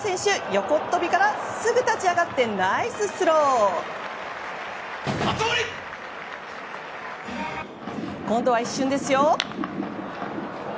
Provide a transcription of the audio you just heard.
横っ飛びから、すぐ立ち上がってナイススロー！今度は一瞬ですよ。